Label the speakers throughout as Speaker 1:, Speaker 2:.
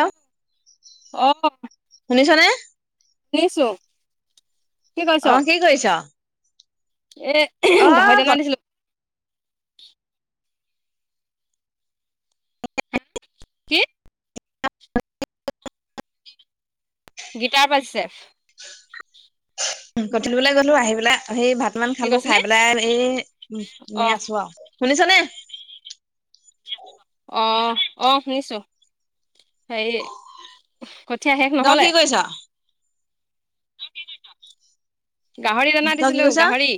Speaker 1: আহ।
Speaker 2: আহ।
Speaker 1: শুনিছ নে।
Speaker 2: শুনিছোঁ।
Speaker 1: অ কি কৰিছ।
Speaker 2: এ
Speaker 1: অ
Speaker 2: গাহৰি দানা দিছিলোঁ। কি? গিটাৰ পাইছে।
Speaker 1: উ গধূলো ওলায় গ'লো আহি পেলা। সেই ভাত মান
Speaker 2: কি
Speaker 1: খালোঁ
Speaker 2: কৈছিলি
Speaker 1: খাই পেলাই এই
Speaker 2: অ
Speaker 1: এনেই আছোঁ আৰু শুনিছ নে।
Speaker 2: অ অ শুনিছোঁ। হেই কঠীয়া শেষ
Speaker 1: তই
Speaker 2: নহ'লে।
Speaker 1: কি কৰিছ?
Speaker 2: গাহৰি দানা
Speaker 1: তই কি
Speaker 2: দিছিলো
Speaker 1: কৰিছ?
Speaker 2: গাহৰি।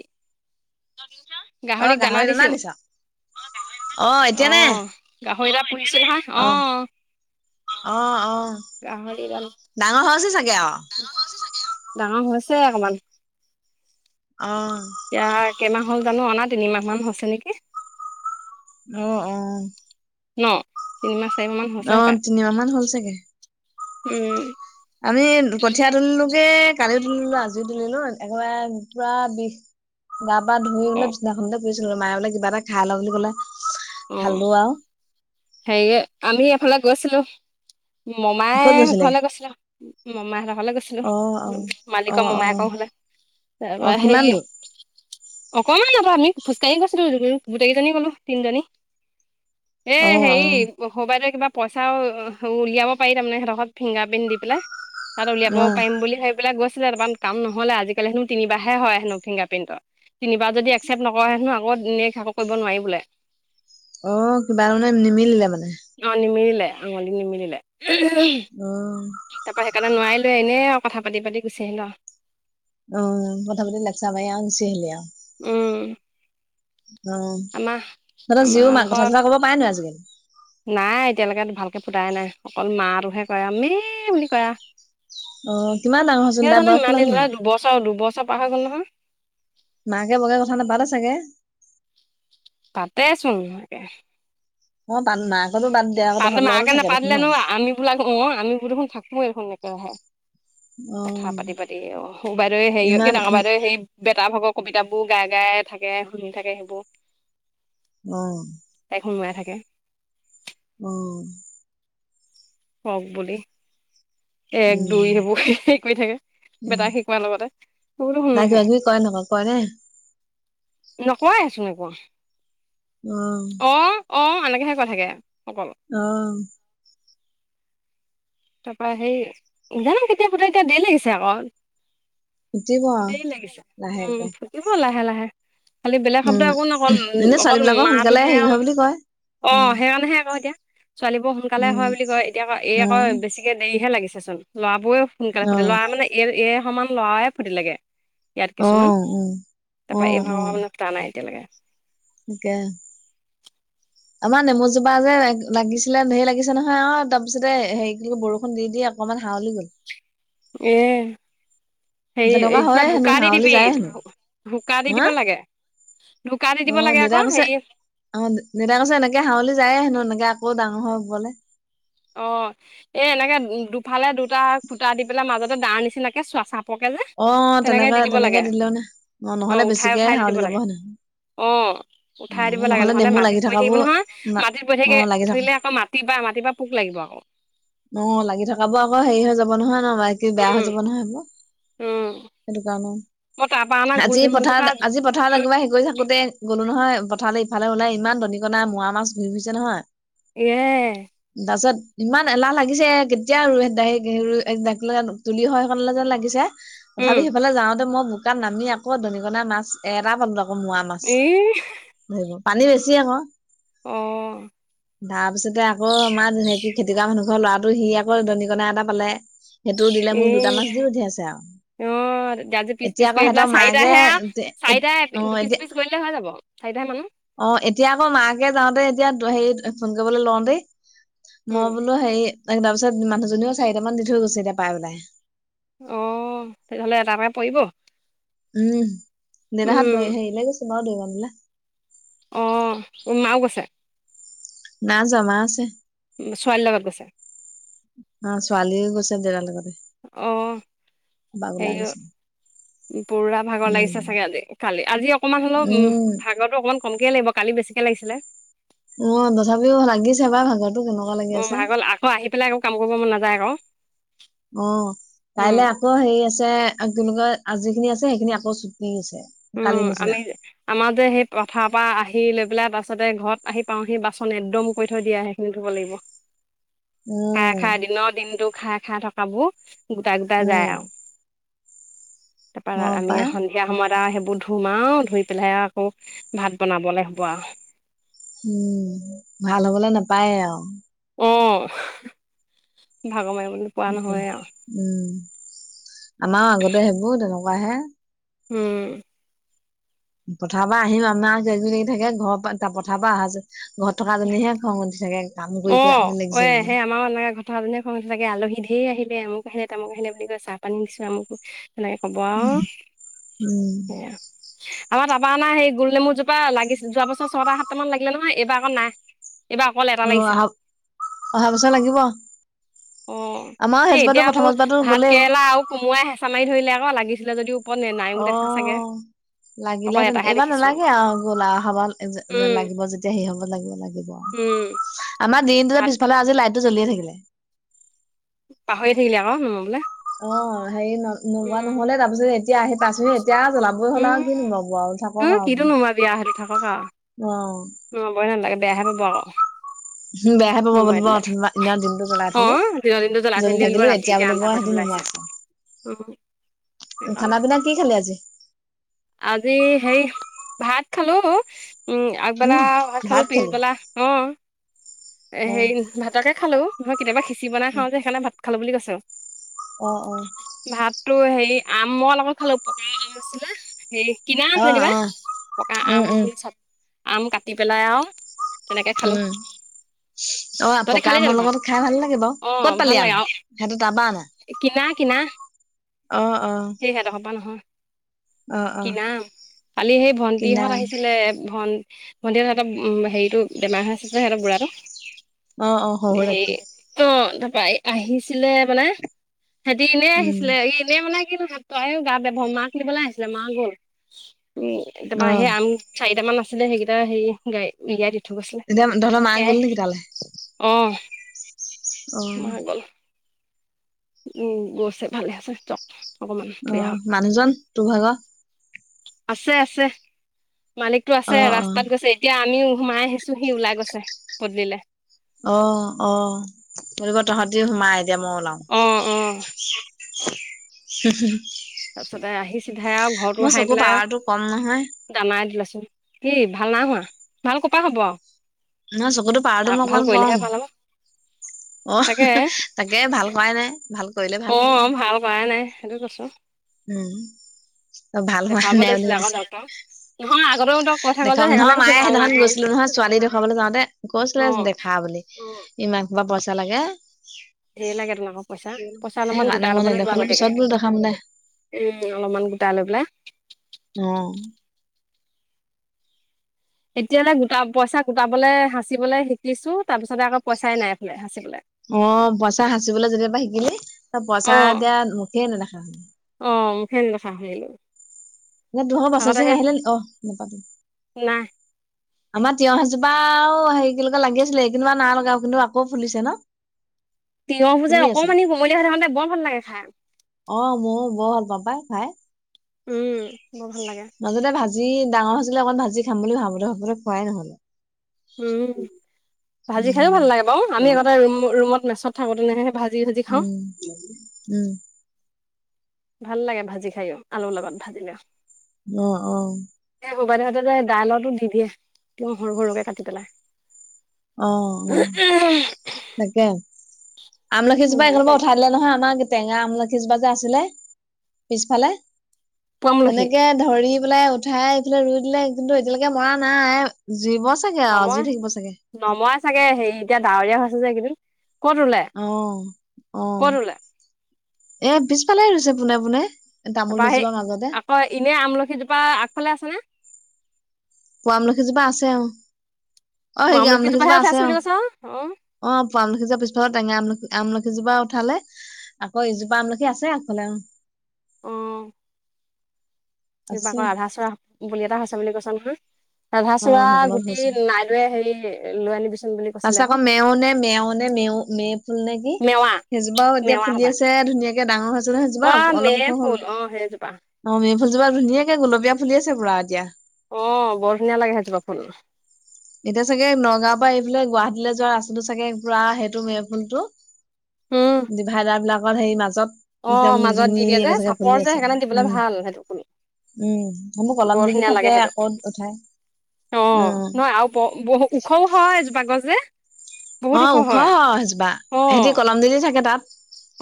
Speaker 1: অ
Speaker 2: গাহৰিক
Speaker 1: গাহৰি দানা
Speaker 2: দিছো
Speaker 1: দিছ অ এতিয়ানে।
Speaker 2: হা অ
Speaker 1: অ
Speaker 2: গাহৰি দানা
Speaker 1: আহ ডাঙৰ হৈ হৈছে চাগে অ।
Speaker 2: ডাঙৰ হৈছে অকমান।
Speaker 1: অ
Speaker 2: এতিয়া কেইমাহ হল জানো অনা তিনিমাহ মান হৈছে নেকি।
Speaker 1: অ অ।
Speaker 2: ন তিমীমাছ।
Speaker 1: অ তিনিমাহ মান হ'ল চাগে।
Speaker 2: উম।
Speaker 1: আমি কঠীয়া তুলিলোগে কালিও তুলিলো আজিও তুলিলো একেবাৰে পুৰা বিষ। গা পা ধুই
Speaker 2: অ
Speaker 1: বোলে বিছনাখনতে কৰিছিলো মায়ে বোলে কিবা এটা খাই লওঁ বুলি ক'লে।
Speaker 2: অ
Speaker 1: খালো আৰু
Speaker 2: সেয়ে আমি এফালে গৈছিলো। মমাই
Speaker 1: ক'ত গৈছিলি?
Speaker 2: ঘৰলৈ গৈছিলো মামাইহতৰ ঘৰলৈ গৈছিলো
Speaker 1: অ অ অ
Speaker 2: মালিকৰ
Speaker 1: অ
Speaker 2: মমাইকৰ ঘৰলে।
Speaker 1: অ
Speaker 2: তাপা
Speaker 1: কিমান
Speaker 2: হেৰি
Speaker 1: দূৰ
Speaker 2: অকণমান আক আমি খোজকাঢ়ি গৈছিলোঁ গোটেইজনী গ'লো তিনজনী এ
Speaker 1: অ অ
Speaker 2: হেৰি সউবাইদেওৱে কিবা পইচা উলিয়াব পাৰি তাৰমানে সেতঘৰত ফিংগাৰ প্ৰিন্ট দি পেলাই তাত উলিয়াব
Speaker 1: অ
Speaker 2: পাৰিম বুলি ভাবি পেলাইগৈছিলে তাৰপা কাম নহ'লে আজিকালি হেনো তিনিবাহে হয় হেনো ফিংগাৰ প্ৰিণ্টৰ তিনিবাৰ যদি একচেপ্ট নকৰে হেনো আকৌ নেক্স আকৌ কৰিব নোৱাৰি বোলে
Speaker 1: অ কিবা কতে নিমিলিলে মানে
Speaker 2: আঙলি নিমিলিলে
Speaker 1: উম
Speaker 2: তাৰপা সেইকাৰণে নোৱাৰাই লৈ এনেই কথা পাতি পাতি গুচি আহিলো আৱ
Speaker 1: অ কথা পাতি লেকচাৰ মাৰি গুচি আহিলি আৱ
Speaker 2: উম
Speaker 1: অ
Speaker 2: আমাৰ
Speaker 1: তহঁতৰ জীও
Speaker 2: আমাৰ
Speaker 1: মাক কথা চথা
Speaker 2: ঘৰত
Speaker 1: ক'ব পাৰে নো আজিকালি
Speaker 2: নাই এতিয়ালৈকে ভাল কে ফুটাই নাই অকল মাটোহে কয় আৱ মে বুলি কয় আৱ
Speaker 1: অ কিমান ডাঙৰ হৈচোন তাইৰ
Speaker 2: কিয়জানো
Speaker 1: বয়স
Speaker 2: ইমান
Speaker 1: কিমান
Speaker 2: দিন
Speaker 1: হ'ল
Speaker 2: হলে দুবছৰ দুবছৰ পাৰ হৈ গ'ল নহয়
Speaker 1: মাকে বকে কথা নাপাতে চাগে
Speaker 2: পাতে ছোন মাকে
Speaker 1: অ বান মা
Speaker 2: পাতে মাকে নাপাতিলে নো আমি বোলাক অ আমিবো দেখোন থাকো এই দেখোন একেৰাহে
Speaker 1: অ
Speaker 2: কথা পাতি পাতি অ বাইদেৱে হেৰিয়কে
Speaker 1: ইমান
Speaker 2: ডাঙৰ
Speaker 1: উ
Speaker 2: বাইদেউৱে হেৰি বেটা ভাগ কবিতা বোৰ গাই গাই থাকে শুনি থাকে সেইবোৰ
Speaker 1: উম
Speaker 2: সোমাই থাকে
Speaker 1: উম
Speaker 2: হওঁক বুলি এক দুই
Speaker 1: উম
Speaker 2: সেইবোৰ হে কৰি থাকে
Speaker 1: উম
Speaker 2: বেটাক শিকোৱাৰ লগতে তোৰ দেখোন
Speaker 1: তাই কিবা
Speaker 2: নাহে
Speaker 1: কিবি কয় নকয় কয় নে
Speaker 2: নোকোৱাই ছোন একো
Speaker 1: উম
Speaker 2: অঁ এনেকেহে কৈ থাকে অকল
Speaker 1: অহ
Speaker 2: তাৰপৰা সেই জানো কেতিয়া শুধে এতিয়া দেৰি লাগিছে আক
Speaker 1: শিকিব আৰু
Speaker 2: দেৰি লাগিছে উম
Speaker 1: লাহেকে
Speaker 2: ফুটিব লাহে লাহে খালি বেলেগ শব্দ
Speaker 1: উম
Speaker 2: একো নকও
Speaker 1: এনে
Speaker 2: অকল
Speaker 1: ছোৱালী
Speaker 2: অকল
Speaker 1: বিলাকৰ সোনকালে
Speaker 2: মাটোহে
Speaker 1: হেৰি
Speaker 2: আৱ
Speaker 1: হয় বুলি কয়
Speaker 2: অ
Speaker 1: উম
Speaker 2: সেইকাৰণেহে আকৌ এতিয়া ছোৱালীবোৰ সোনকালে
Speaker 1: উম
Speaker 2: হয় বুলি কয় এতিয়া এই আকৌ
Speaker 1: অ
Speaker 2: বেছি হে লাগিছে চোন লৰাবোৰে সোনকালে ফুটে লৰা মানে এই সমান লৰায়ে ফুটিলেগে ইয়াত
Speaker 1: অ অ
Speaker 2: কিছুমান
Speaker 1: উ
Speaker 2: তাৰপা এভাগওৰ মানে ফোটা নাই এতিয়ালৈকে
Speaker 1: একে
Speaker 2: [inaudible]
Speaker 1: আমাৰ নেমু জোপা যে লাগিছিলে ধেৰ লাগিছে নহয় আৱ তাৰপিছতে হেৰি কি বৰষুণ দি দি অকমান হাউলি গ'ল।
Speaker 2: এ
Speaker 1: তেনেকুৱা
Speaker 2: হেৰি কিবা
Speaker 1: হয়ে হেনো
Speaker 2: ঢুকা দি
Speaker 1: হাৱলি
Speaker 2: দিবি
Speaker 1: যায় হেনো
Speaker 2: ঢুকা দি
Speaker 1: হা
Speaker 2: দিব লাগে। ঢোকা দি
Speaker 1: অ
Speaker 2: দিব লাগে
Speaker 1: দেউতা
Speaker 2: আকৌ
Speaker 1: কৈছে
Speaker 2: হেৰি
Speaker 1: অ দেতা কৈছে এনেকে হাউলি যায়ে হেনো এনেকে ক ডাঙৰ হবলে
Speaker 2: অ এ এনেকে দুফালে দুটা খুটা দি পেলাই মাজতে দাৰ নিচিনাকে চোৱাচা প পকে যে
Speaker 1: অ
Speaker 2: তেনেকে দি দিব
Speaker 1: তেনেকে
Speaker 2: লাগে
Speaker 1: দিলে মানে
Speaker 2: অ
Speaker 1: নহলে
Speaker 2: উঠাই
Speaker 1: বেছিকে
Speaker 2: উঠাই দি
Speaker 1: হাৱলি
Speaker 2: দিব
Speaker 1: যাব
Speaker 2: লাগে।
Speaker 1: হেনো
Speaker 2: অ উঠাই দিব
Speaker 1: অ
Speaker 2: লাগে নহলে
Speaker 1: নেমু
Speaker 2: মাটিত
Speaker 1: লাগি
Speaker 2: পৰি থাকিব
Speaker 1: থকাবোৰ
Speaker 2: নহয়
Speaker 1: না
Speaker 2: মাটিত পৰি
Speaker 1: অ
Speaker 2: থাকি
Speaker 1: লাগি থকা
Speaker 2: থাকিলে আকৌ মাটি বা মাটিৰ পৰা পোক লাগিব আকৌ
Speaker 1: অ লাগি থকাাব আকৌ হেৰি হৈ যাব নহয় ন বাকী বেয়া
Speaker 2: উম
Speaker 1: হৈ যাব নহয় সেইবোৰ
Speaker 2: উম
Speaker 1: সেইটো
Speaker 2: মই তাৰ পৰা অনা
Speaker 1: কাৰণে
Speaker 2: গোল
Speaker 1: আজি
Speaker 2: নেমু জোপা
Speaker 1: পথাৰত আজি পথাৰত একিবাৰ হেৰি কৰি থাকোতে গ'লো নহয় পথাৰতে ইফালে ওলাই ইমান দনিকনা মোৱা মাছ ঘূৰি ফুৰিছে নহয়।
Speaker 2: এ
Speaker 1: তাৰপিছত ইমান এলাহ লাগিছে কেতিয়া আৰু হেৰু তুলি হয় সেইখন যেন লাগিছে।
Speaker 2: উম
Speaker 1: তথাপি সেইফালে যাওঁতে মই বোকাত নামি আকৌ দৰিকণা মাছ এটা পাল। আকৌমোৱা মাছ
Speaker 2: ই
Speaker 1: ধৰিব পানী বেছি আকৌ
Speaker 2: অ
Speaker 1: তাৰপিছতে আকৌ আমাৰে কি খেতিকা মানুহ ঘৰ ল'ৰাটো সি আকৌ দৰিকণা এটা পালে সেইটো দিলে
Speaker 2: এ
Speaker 1: মোক দুটা মাছ দি পঠিয়াইছে আছে আৰু
Speaker 2: অ আজি পিচ
Speaker 1: এতিয়া
Speaker 2: পিচ
Speaker 1: আকৌ
Speaker 2: কৰি
Speaker 1: সিহঁতৰ
Speaker 2: পেলাই
Speaker 1: মাকে
Speaker 2: চাৰিটাহে চাৰিটা
Speaker 1: অ
Speaker 2: দু
Speaker 1: এতিয়া
Speaker 2: পিচ পিচ কৰিলে হৈ যাব চাৰিটাহে মানুহ
Speaker 1: অ এতিয়া আকৌ মাকে যাওঁতে এতিয়া হেৰি ফোন কৰিবলৈ লওঁ দেই
Speaker 2: উম
Speaker 1: মই বোলো হেৰি তাৰপিছত মানুহজনীও চাৰিটা মান দি থৈ গৈছে এতিয়া পাই বেলাই।
Speaker 2: অ তেতিয়হ'লে এটাকে পৰিব।
Speaker 1: উম দেতাহত দয়
Speaker 2: উম
Speaker 1: হেৰিলে গৈছ ন দেৰি মানিলে
Speaker 2: অ উ মাও গৈছে।
Speaker 1: না জমা আছে।
Speaker 2: ছোৱালী লগত গৈছে।
Speaker 1: অ ছোৱালীয়ে গৈছে দেৰাৰ
Speaker 2: অ
Speaker 1: লগতে
Speaker 2: হেৰি
Speaker 1: বাগলাই গৈছে
Speaker 2: পুৰা ভাগৰ লাগিছে
Speaker 1: উম
Speaker 2: চাগে আজি কালি আজি অকনমান হ'লেও উম ভাগৰো অকমান কমকে লাগিব কালি বেছিকে লাগিছিলে
Speaker 1: অ তথাপিও লাগিছে বা ভাগৰ
Speaker 2: অ ভাগল আকৌ আহি পেলাই একৌ কাম কৰিব মন নাযায় আকৌ
Speaker 1: অ
Speaker 2: উম
Speaker 1: কাইলে আকৌ হেৰি আছে কি বুলি কয় আজি খিনি আছে সেইখিনি আকৌ চুটি আছে কালি
Speaker 2: উম
Speaker 1: নিচিনা
Speaker 2: আমি আমাৰ যে সেই পথাৰ পৰা আহ ঠি লৈ পেলাই তাৰাছতে ঘৰত আহি পাও সি বাচন একদম কৈ থৈ দিয়া সেইখিনি থব লাগিব। খাই
Speaker 1: উম
Speaker 2: খাই দিনৰ দিনটো খাই খাই থকাবোৰ গোটা গোটা যায়
Speaker 1: উম
Speaker 2: আৰু তাৰপাৰ
Speaker 1: অ
Speaker 2: আমি
Speaker 1: পাই
Speaker 2: সন্ধিয়া সময় সেইবোৰ ধুম আৰু ধুই পেলাই আকৌ ভাত বনাবলে হ'ব আৰু
Speaker 1: উম ভাল হবলৈ নাপায়ে আৰু
Speaker 2: অ ভাগমই
Speaker 1: উম আমাৰ আগতে সেইবোৰ তেনেকোৱা হে
Speaker 2: উম
Speaker 1: পথাৰ পৰা আহিম আমাৰি থাকে ঘৰৰ পথাৰ পৰা অহা যে। ঘৰত থকা জনিহে খং উঠি থাকে কাম কৰি কৰি আমনি লাগিছে বুলি
Speaker 2: খনে খং লাগে আলহী ঢৰ আহিলে আমু আহেনে তামুো আহেনে বুলি কয় চাহ পানী দিছো আমু সেনেকে ক'ব আৰু
Speaker 1: উম,
Speaker 2: সেইয়া আমাৰ তাৰপা না সেই গোল নেমুজোপা কিবা লাগিছিল যোৱা বছৰ ছটা সাতটা মান লাগিলে নহয় এইবাৰ আকৌ নাই এইবাৰ অকল এটা
Speaker 1: অ
Speaker 2: লাগিছে
Speaker 1: অহা অহা বছৰ লাগিব
Speaker 2: অ
Speaker 1: আমাৰ
Speaker 2: সেই
Speaker 1: সেইজোপাতো
Speaker 2: এতিয়াতো
Speaker 1: প্ৰথম জোপাতো
Speaker 2: ভাত
Speaker 1: গ'লেই
Speaker 2: কেৰেলা আৰু কোমোৰাই হেঁচা মাৰি ধৰিলে আকৌ লাগিছিলে যদিও [unintelligible]
Speaker 1: অ
Speaker 2: দেখা চাগে
Speaker 1: লাগিলে
Speaker 2: অকল
Speaker 1: হেতেন
Speaker 2: এটাহে
Speaker 1: এইবাৰ
Speaker 2: দেখিছো
Speaker 1: নালাগে আহ গ'ল হব
Speaker 2: উম
Speaker 1: লাগিব যেতিয়া সে হ'ব লাগিব লাগে
Speaker 2: উম
Speaker 1: আমাৰ দিনটোতে
Speaker 2: ভাত
Speaker 1: পিছফালে আজি লাইটটো জ্বলিয়ে থাকিলে
Speaker 2: পাহৰিয়ে থাকিলে আক নমাবলে
Speaker 1: অ হেৰি ন নোৱা নহলে তাৰপিছত এতিয়া আহি পাইছোহি এতিয়া জ্বলাবই হ'ল
Speaker 2: উম
Speaker 1: আৰু কি নোমোআমাও বল
Speaker 2: উম
Speaker 1: থাকক
Speaker 2: কিটো
Speaker 1: আৰু অ [unintelligible]
Speaker 2: অবই নালাগে বেয়াহে পাব আৰু [unintelligible]
Speaker 1: বেয়াহে পাব বোলো বা দিদিনা দিনতটো জ্বলাই
Speaker 2: অ
Speaker 1: উলো
Speaker 2: দিনৰ দিনটো জ্বলাই থৈ
Speaker 1: জ্বলি
Speaker 2: দিলে বুলিব
Speaker 1: থাকিলো এতিয়া বোলো ব সেইদিন [unintelligible] [inaudible]
Speaker 2: অ
Speaker 1: খানা পিনা কি খালি আজি?
Speaker 2: আজি সেই ভাত খালো। উম আগবেলা ভাত খালো পিছবেলা অ। এ
Speaker 1: অ
Speaker 2: হেৰি ভাতকে খালো নহয় কেতিয়াবা খিঁচি বনাই খাওঁ যে সেইকাৰণে ভাত খালো বুলি কৈছো। [unintelligible]
Speaker 1: অ অ।
Speaker 2: তটো হেৰি আম ম লগত খালো পকা আম আছিলে। হেই [unintelligible] কিনা আম
Speaker 1: অ অ
Speaker 2: যেনিবা।
Speaker 1: অ
Speaker 2: পকা আম
Speaker 1: উম উম
Speaker 2: আম কাটি পেলাই আৱ [unintelligible] তেনেকে খালো।
Speaker 1: উম অ
Speaker 2: তহতে
Speaker 1: পকা
Speaker 2: খালি
Speaker 1: আমৰ
Speaker 2: জানো ভাত।
Speaker 1: লগত খাই ভাল লাগে বাৰু
Speaker 2: অ
Speaker 1: ক'ত পালি
Speaker 2: ভাল
Speaker 1: আম
Speaker 2: লাগে অ।
Speaker 1: সেইটো তাৰপা আনা
Speaker 2: কিনা কিনা।
Speaker 1: অ অ
Speaker 2: সেই হেতৰ ঘপা নহয়।
Speaker 1: অ অ
Speaker 2: কিনাআম। কালি সেই
Speaker 1: কিনা
Speaker 2: ভন্টিহঁত আহিছিলে ভ ভণ্টিহত। [unintelligible] উম হেইটো বেমাৰ হৈ আছে যে সিহঁতৰ বুঢ়াটো।
Speaker 1: আম অ অ
Speaker 2: হে
Speaker 1: শহুৰেকটো
Speaker 2: অ। [unintelligible] তাই আহিছিলে মানে। হেতী এনেই
Speaker 1: উম
Speaker 2: আহিছিলে, এনেই মানে কিন্তু। [unintelligible] তাইও গা বেয়া মাকনিবলে আহিছিলে মা গ'ল। উম তাপা
Speaker 1: অ
Speaker 2: সেই আম চাৰিটামান আছিল। [unintelligible] আছিলে সেইকেইটা সেই গাই গাইদি। [unintelligible]
Speaker 1: এতিয়া তহত মা গ'ল নেকি তালে?
Speaker 2: অহ। উম
Speaker 1: অ
Speaker 2: গল। উম গৈছে ভালে আছে জক। [unintelligible]
Speaker 1: অহ মানুহজন তোৰ ভাগ?
Speaker 2: আছে আছে মালিকটো আছে
Speaker 1: অ
Speaker 2: ৰাস্তাত গৈছে এতিয়া। আমি সোমাই আহিছো সি ওলাই গৈছে পদূলিলে।
Speaker 1: অ অ কৰিবা তহঁতি সোমাই, এতিয়া মই ওলাও।
Speaker 2: অ অ
Speaker 1: [unintelligible] হু
Speaker 2: তাৰপিছতে আহি চিধাই আৱ ঘৰতো
Speaker 1: মোৰ
Speaker 2: হাই
Speaker 1: চকু
Speaker 2: পেলাই আৱ
Speaker 1: পাৱাৰটো কম নহয়
Speaker 2: দানাই দিলাচোন। [unintelligible] কি ভাল না হোৱা? ভাল ক'পা হব?
Speaker 1: নহ চকুতো পাৱাৰটো
Speaker 2: আৰু
Speaker 1: মো
Speaker 2: ভাল
Speaker 1: অকমান
Speaker 2: কৰিলেহে ভাল হ'ব
Speaker 1: কম। অ
Speaker 2: তাকে
Speaker 1: তাকে ভাল কৰাই নাই ভাল। কৰিলে ভাল
Speaker 2: অ
Speaker 1: হ'ব
Speaker 2: ভাল কৰা নাই সেইটো কৈছো।
Speaker 1: উম। অ ভাল হোৱা
Speaker 2: দেখাব
Speaker 1: নাই বুলি
Speaker 2: লাগিছিলে আকৌ
Speaker 1: সুধিছো।
Speaker 2: ডক্তৰক
Speaker 1: [unintelligible]
Speaker 2: নহয় আগতেও তই কৈ থাক যে
Speaker 1: দেখাম
Speaker 2: সেইকাৰণে
Speaker 1: নহয়
Speaker 2: কৈছো
Speaker 1: মায়ে
Speaker 2: ভাল নাই
Speaker 1: সেইদিনাখন
Speaker 2: হোৱা বুলি।
Speaker 1: গৈছিলো নহয় ছোৱালী দেখুৱাবলৈ যাওঁতে গৈছিলে
Speaker 2: অ
Speaker 1: দেখা বুলি। [unintelligible] ইমান হোপা পইচা লাগে।
Speaker 2: ধেৰ লাগে তোমাকো পইচা। পইচা অলপমান
Speaker 1: সেইকাৰণে
Speaker 2: গোটা
Speaker 1: মই
Speaker 2: ল'ব ল যোৱা
Speaker 1: নেদেখালো
Speaker 2: গতিকে।
Speaker 1: পিছত
Speaker 2: [unintelligible]
Speaker 1: বোলো দেখাম দে
Speaker 2: উম অলপমান গোটেই লৈ পেলাই।
Speaker 1: অ।
Speaker 2: এতিয়ালে গোটা পইচা গোটাবলে হাঁচিবলে শিকিছো। তাৰপিছতে আকৌ পইচাই নাই এইফালে। [unintelligible]
Speaker 1: অ পইচা সাঁচিবলৈ যেতিয়াবা শিকিলি। ত পইচা
Speaker 2: অ
Speaker 1: এতিয়া মুখে নেদেখা হলো।
Speaker 2: অ মূখে নেদেখা হৈ থাকিলে।
Speaker 1: অ তহৰ প্ৰচেচিং আহিলে নি অহ নাপাতো।
Speaker 2: নাই
Speaker 1: আমাৰ তিয়হ এজোপাও হেৰিকেলেকে লাগি আছিলে এ কেনোবা না লগা কিন্তু আকৌ ফুলিছে ন।
Speaker 2: [unintelligible] তিঁয়হ যে
Speaker 1: ফুলি আছে
Speaker 2: অকমানি কোমলিয়া হৈ থাকোতে বৰ ভাল লাগে খাই।
Speaker 1: খায়।
Speaker 2: উম। বৰ ভাল লাগে।
Speaker 1: ভাজি ডাঙৰ হৈছিলে অকণ ভাজি খাম বুলি ভাবিলো ভাবিলো খোৱাই নহ'ল।
Speaker 2: উম ভাজি খাইও ভাল লাগে বাউ। আমি
Speaker 1: উম
Speaker 2: আগতে ৰুম ৰুমত মেচত থাকো তেনেকেহে ভাজি ভাজি খাওঁ
Speaker 1: উম উম।
Speaker 2: ভাল লাগে ভাজি খাইও আলু লগত ভাজিলেও।
Speaker 1: অ অ।
Speaker 2: সৰুবাইদেউ হতে দালটো দি দিয়ে। সৰু সৰুকে কাটি পেলাই।
Speaker 1: অ অ তাকে আমলখিজোপা
Speaker 2: ভালে
Speaker 1: কোনোবা
Speaker 2: লাগে
Speaker 1: উঠাই দিলে নহয় আমাৰ টেঙা আমলখি জোপা যে আছিলে পিছফালে
Speaker 2: পুৱামলখি
Speaker 1: তেনেকে ধৰি পেলাই উঠাই এইফালে ৰুই দিলে কিন্তু এতিয়ালৈকে মৰা নাই জীৰিব চাগে আৰু জি থাকিব চাগে।
Speaker 2: নমৰে চাগে হেৰি এতিয়া ডাৱৰীয়া হৈছে যে সেইদিন
Speaker 1: অ অ
Speaker 2: ৰুলে
Speaker 1: এ পিছফালে ৰুইছে পোনে পোনে তামোল
Speaker 2: তাৰপা সেই
Speaker 1: দুজোপাৰ মাজতে
Speaker 2: আকৌ এনে আমলখিজোপা আগফালে আছেনে।
Speaker 1: পোৱা আমলখিজোপা আছে অ। অ সেই কি
Speaker 2: আমলখিজোপাহে
Speaker 1: আমলখিজোপা আছে
Speaker 2: উঠাইছে
Speaker 1: অ
Speaker 2: বুলি কৈছ
Speaker 1: অ আমলখিজোপা পিছফালৰ টেঙা আমলখি সিজোপা উঠালে আকৌ ইজোপা আমলখি আছে আগফালে।
Speaker 2: আহ
Speaker 1: আছে
Speaker 2: পাকৰ আধা চা বুলি এটা হৈছে বুলি কৈছে নহয়। ৰাধা
Speaker 1: অ
Speaker 2: চুৰা
Speaker 1: সেইকণত
Speaker 2: গুটি নাই লৈ হেৰি লৈ আনি বিচ
Speaker 1: তাৰ পাছতে আকৌ মেও নে মেও নে মেও মে ফুল নে কি
Speaker 2: মেৱা
Speaker 1: সেইজোপা এতিয়া
Speaker 2: মেৱা হবা
Speaker 1: ফুলি আছে ধুনীয়াকে। ডাঙৰ সেইজোপা
Speaker 2: অ মে
Speaker 1: অলপ ওখ হল
Speaker 2: ফুল অ সেইজোপা
Speaker 1: নমি ফুলজোপা ধুনীয়াকে গোলপীয়া ফুলি আছে পুৰা এতিয়া।
Speaker 2: অ বৰ ধুনীয়া লাগে আহ জহৱাব ফুল
Speaker 1: লে যোৱাৰ ৰাস্তাটো চাগে পুৰা সেইটো মেফুল টো
Speaker 2: উম
Speaker 1: ডিভাইডাৰ বিলাকত হে মাজত
Speaker 2: অ
Speaker 1: একদম
Speaker 2: মাজত দি দিয়ে যে
Speaker 1: ধুনীয়াকে জেগাত
Speaker 2: চাপৰ
Speaker 1: ফুলি
Speaker 2: যে
Speaker 1: আছে
Speaker 2: সেইকাৰণে
Speaker 1: আৰু
Speaker 2: দিবলৈ ভাল সেইটো ফুল
Speaker 1: উম উম তমো কলম
Speaker 2: বৰ
Speaker 1: দিদি
Speaker 2: ধুনীয়া লাগে
Speaker 1: থাকে
Speaker 2: সেইটো
Speaker 1: আকৌ উঠাই
Speaker 2: অ
Speaker 1: উম
Speaker 2: নহয় আৰু বহু ওখও হয় এজোপাগছ যে বহুত
Speaker 1: অ ওখ
Speaker 2: হয়
Speaker 1: বা
Speaker 2: অ
Speaker 1: সিহঁতি কলম দি দি থাকে তাত।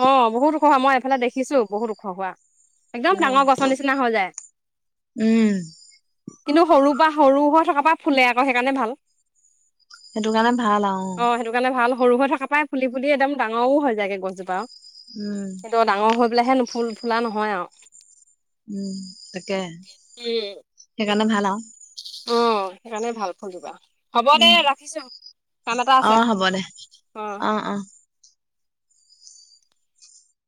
Speaker 2: অ বহুত ওখ হোৱা মই এইফালে দেখিছো বহুত ওখ হোৱা একদম
Speaker 1: উম
Speaker 2: ডাঙৰ গছৰ নিচিনা হৈ যায়।
Speaker 1: উম
Speaker 2: কিন্তু সৰু বা সৰু হৈ থকাৰ পৰা ফুলে আকৌ সেইকাৰণে ভাল
Speaker 1: সেইটো কাৰণে ভাল অ
Speaker 2: সেইটো কাৰণে ভাল সৰু হৈ থকা পাই ফুলি ফুলি একদম ডাঙৰও হৈ যায়গে গছজোপা
Speaker 1: উম
Speaker 2: সেইটো ডাঙৰ হৈ। বোলেহে নুফুল ফুলা নহয় আৰু
Speaker 1: উম তাকে
Speaker 2: উম।
Speaker 1: সেইকাৰণে ভাল আৰু
Speaker 2: অ সেইকাৰণে ভাল ফুলিবা হ'ব দে
Speaker 1: উম
Speaker 2: ৰাখিছো কাম এটা
Speaker 1: অ
Speaker 2: আছে
Speaker 1: হ'ব দে
Speaker 2: অ